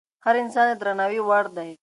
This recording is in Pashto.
هر انسان د درناوي وړ دی.